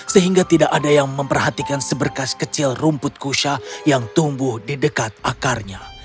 sehingga tidak ada yang memperhatikan seberkas kecil rumput kusya yang tumbuh di dekat akarnya